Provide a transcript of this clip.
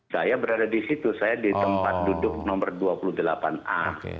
saya berada di situ saya di tempat duduk nomor dua puluh delapan a